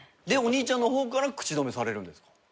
でお兄ちゃんの方から口止めされるんですか？